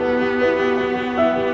mama siapa merinapku